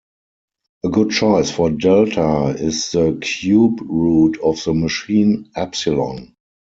A good choice for delta is the cube root of the machine epsilon.